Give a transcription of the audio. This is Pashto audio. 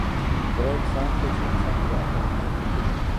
دريم سائنس دے چې انسان ته د عقل هدايت ورکوي